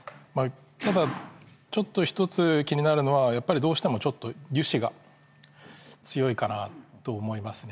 ただちょっと１つ気になるのはやっぱりどうしても油脂が強いかなと思いますね